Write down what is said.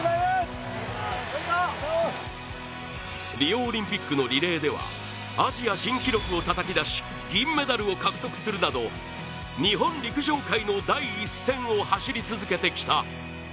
リオオリンピックのリレーではアジア新記録をたたき出し銀メダルを獲得するなど日本陸上界の第一線を走り続けてきた。